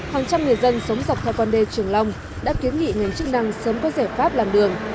hàng trăm người dân sống dọc theo con đê trường long đã kiến nghị ngành chức năng sớm có giải pháp làm đường